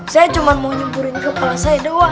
saya cuma mau nyempurin kepala saya doang